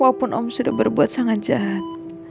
walaupun om sudah berbuat sangat jahat